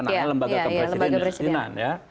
namanya lembaga kepresidenan